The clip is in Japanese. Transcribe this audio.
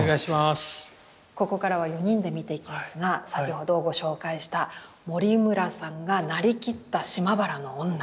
ここからは４人で見ていきますが先ほどご紹介した森村さんがなりきった「島原の女」